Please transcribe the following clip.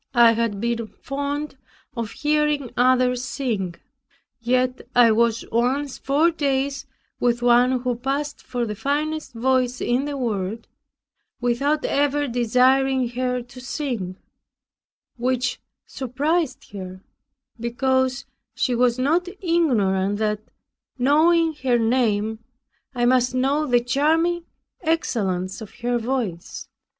I had been fond of hearing others sing; yet I was once four days with one who passed for the finest voice in the world, without ever desiring her to sing; which surprised her, because she was not ignorant that, knowing her name, I must know the charming excellence of her voice.